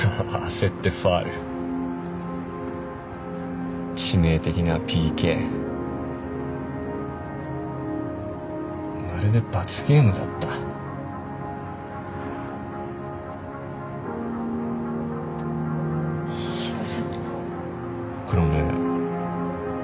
焦ってファウル致命的なＰＫまるで罰ゲームだった城崎黒目